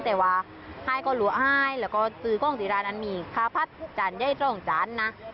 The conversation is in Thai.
แต่ว่าให้ก็หลัวให้แล้วก็ซื้อข้องที่ร้านนั้นมีคาพัดจันทร์ให้เจ้าของจานนะ